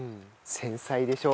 繊細でしょ？